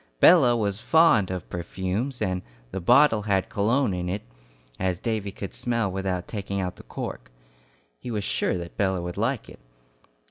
Bella was fond of perfumes, and the bottle had cologne in it, as Davy could smell without taking out the cork. He was sure that Bella would like it.